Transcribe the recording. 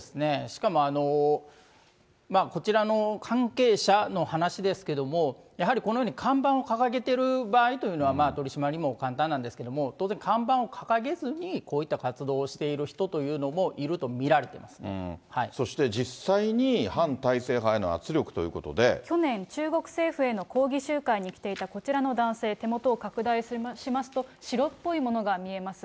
しかもこちらの関係者の話ですけども、やはりこのように看板を掲げている場合というのは、取締りも簡単なんですけれども、当然看板を掲げずに、こういった活動をしているという人というのもいると見られていまそして実際に反体制派への圧去年、中国政府への抗議集会に来ていたこちらの男性、手元を拡大しますと、白っぽいものが見えます。